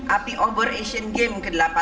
api obor asian games ke delapan belas